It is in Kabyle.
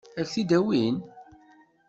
Ad k-t-id-awin?